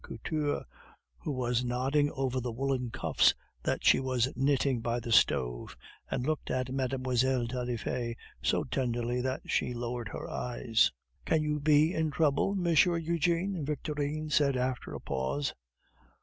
Couture, who was nodding over the woolen cuffs that she was knitting by the stove, and looked at Mlle. Taillefer so tenderly that she lowered her eyes. "Can you be in trouble, M. Eugene?" Victorine said after a pause.